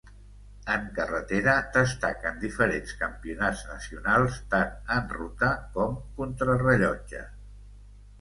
En carretera destaquen diferents campionats nacionals tant en ruta com contrarellotge.